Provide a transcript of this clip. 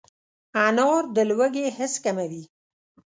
انار د لوږې حس کموي.